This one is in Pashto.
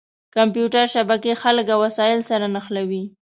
کمپیوټر شبکې خلک او وسایل سره نښلوي.